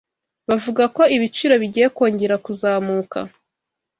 Bavuga ko ibiciro bigiye kongera kuzamuka.